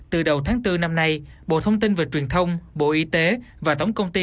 từ đầu tháng bốn năm nay bộ thông tin và truyền thông bộ y tế và tổng công ty